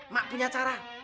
mak punya cara